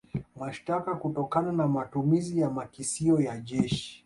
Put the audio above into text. Mashtaka kutokana na matumizi ya makisio ya jeshi